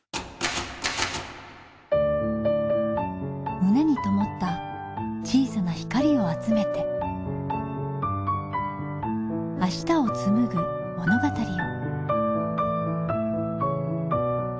胸にともった小さな光を集めて明日をつむぐ物語を。